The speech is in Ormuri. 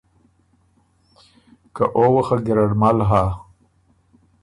که او وه خه ګیرډ مل هۀ۔